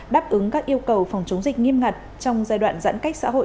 đáp ứng các yêu cầu phòng chống dịch nghiêm ngặt trong giai đoạn giãn cách xã hội